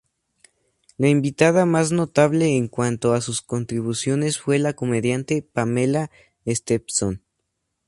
La invitada más notable en cuanto a sus contribuciones fue la comediante Pamela Stephenson.